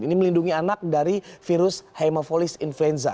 ini melindungi anak dari virus hemapholis influenza